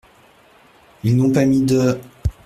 Ils n’ont pas mis de ?